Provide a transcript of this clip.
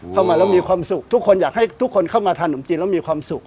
เข้ามาแล้วมีความสุขทุกคนอยากให้ทุกคนเข้ามาทานหนมจีนแล้วมีความสุข